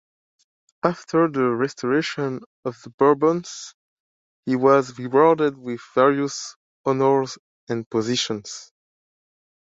After the restoration of the Bourbons, he was rewarded with various honours and positions.